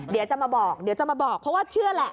เดี๋ยวจะมาบอกเพราะว่าเชื่อแหละ